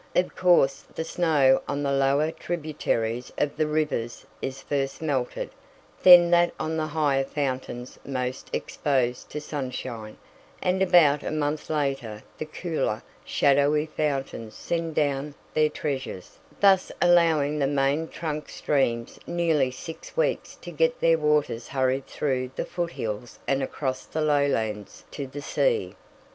Of course the snow on the lower tributaries of the rivers is first melted, then that on the higher fountains most exposed to sunshine, and about a month later the cooler, shadowy fountains send down their treasures, thus allowing the main trunk streams nearly six weeks to get their waters hurried through the foot hills and across the lowlands to the sea.